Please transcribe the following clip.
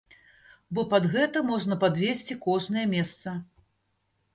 Бо пад гэта можна падвесці кожнае месца.